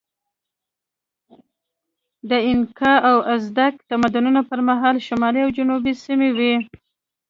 د اینکا او ازتک تمدنونو پر مهال شمالي او جنوبي سیمې وې.